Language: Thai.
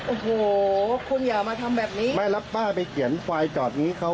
โอ้โหคุณอย่ามาทำแบบนี้ไม่รับป้าไปเขียนควายจอดนี้เขา